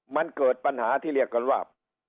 มันเกิดปัญหาที่เรียกกันว่า